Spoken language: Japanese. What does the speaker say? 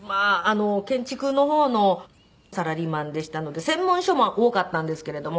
建築の方のサラリーマンでしたので専門書も多かったんですけれども。